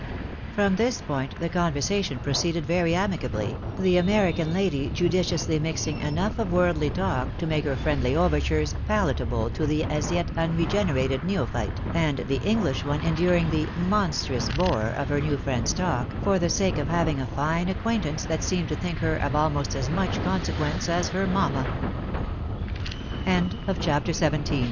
From this point the conversation proceeded very amicably, the American lady judiciously mixing enough of worldly talk, to make her friendly overtures palatable to the as yet unregenerated neo phyte, and the English one enduring the " monstrous bore" of her new friend's talk, for the sake of having a fine acquaintance that Beamed to think her of almost as much consequence as her